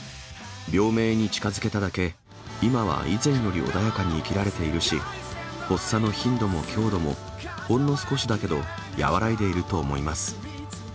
病名に近づけただけ、今は以前より穏やかに生きられているし、発作の頻度も強度も、ほんの少しだけど和らいでいると思います。